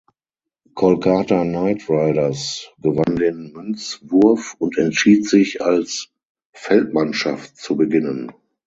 Kolkata Knight Riders gewann den Münzwurf und entschied sich als Feldmannschaft zu beginnen.